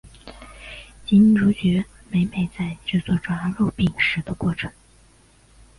及女主角美美在制作炸肉饼时的过程。